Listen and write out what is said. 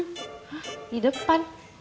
hah di depan